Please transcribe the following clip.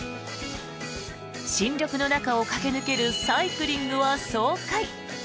新緑の中を駆け抜けるサイクリングは爽快。